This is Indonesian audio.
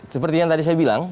seperti yang tadi saya bilang